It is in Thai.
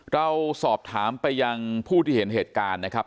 เราสอบถามไปยังผู้ที่เห็นเหตุการณ์นะครับ